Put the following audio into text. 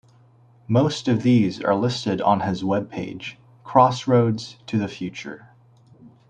Most of these are listed on his webpage, "Crossroads to the future".